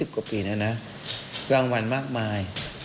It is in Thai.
๒๐กว่าปีนะนะรางวัลมากมาย